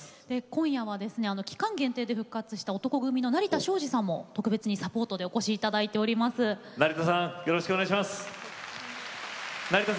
今夜は期間限定で復活した男闘呼組の成田昭次さんも特別にサポートでお越しいただきました。